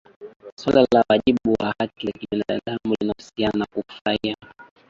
Suala la wajibu wa haki za kibinadamu linahusiana na kufurahia